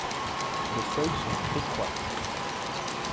Les feuilles sont étroites.